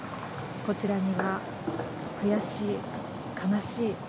こちらには悔しい、悲しい。